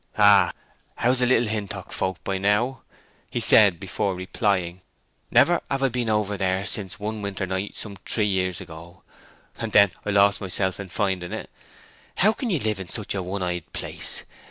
"Ah—how's Little Hintock folk by now?" he said, before replying. "Never have I been over there since one winter night some three year ago—and then I lost myself finding it. How can ye live in such a one eyed place?